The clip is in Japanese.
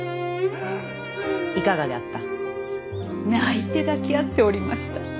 泣いて抱き合っておりました。